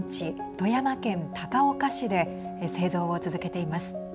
富山県高岡市で製造を続けています。